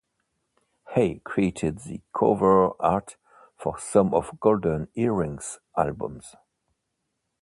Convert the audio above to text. Hay created the cover art for some of Golden Earring's albums.